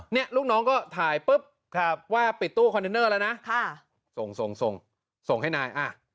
เนี่ยลูกน้องก็ถ่ายปุ๊บว่าปิดตู้คอนเทนเนอร์แล้วนะส่งส่งให้นาย